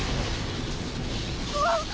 うわっ！